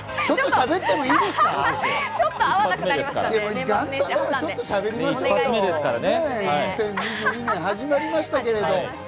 ちょっとしゃべってもいいですか？